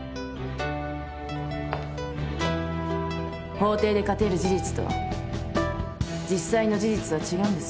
法廷で勝てる事実と実際の事実は違うんですよ。